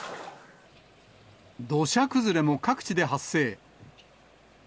土砂崩れも各地で発生。